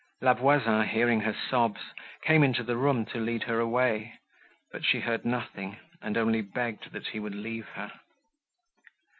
La Voisin, hearing her sobs, came into the room to lead her away, but she heard nothing, and only begged that he would leave her.